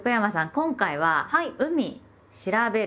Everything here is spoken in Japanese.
今回は「海」「『調』べる」